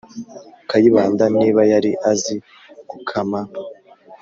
kayibanda niba yari azi gukama,